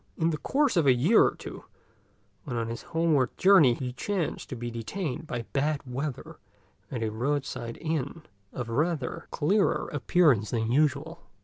In the course of a year or two, when on his homeward journey, he chanced to be detained by bad weather at a roadside inn of rather cleaner appearance than usual.